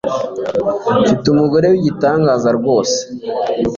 Mfite Umugore Wigitangaza rwose